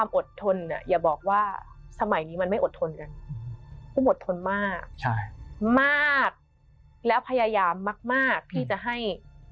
มากและพยายามมากที่จะให้